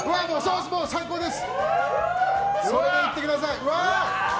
最高です！